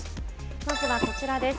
まずはこちらです。